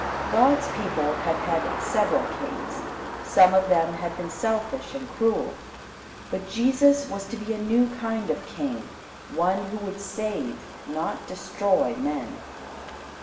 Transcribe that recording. God's people had had several kings. Some of them had been selfish and cruel, but Jesus was to be a new kind of king, one who would save, not destroy men.